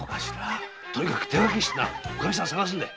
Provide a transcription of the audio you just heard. とにかく手分けしておかみさん捜すんだ。